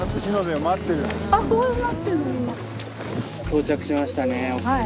到着しましたねお二人。